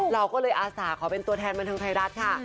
เราก็เลยอาสาขอเป็นตัวแทนบันเทิงไทยรัฐค่ะ